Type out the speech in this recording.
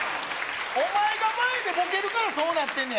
お前が前でボケるから、そうなってんねや。